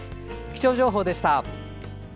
気象情報でした。